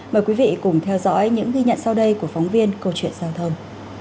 mời quý vị cùng theo dõi những ghi nhận sau đây của phóng viên câu chuyện giao thông